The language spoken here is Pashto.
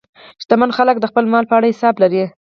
شتمن خلک د خپل مال په اړه حساب لري.